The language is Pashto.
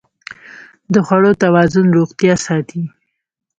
د خوړو توازن روغتیا ساتي.